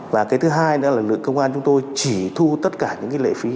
và cái thứ hai nữa là lực lượng công an chúng tôi chỉ thu tất cả những lệ phí